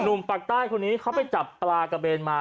ปากใต้คนนี้เขาไปจับปลากระเบนมา